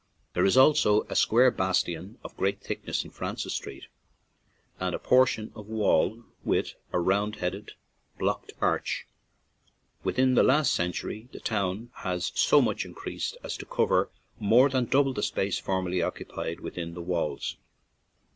There is also a square bastion of great thick ness in Francis Street, and a portion of wall with a round headed, blocked arch. Within the last century the town has so much increased as to cover more than double the space formerly occupied with in the walls.